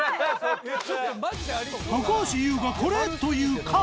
高橋ユウがこれ！という缶。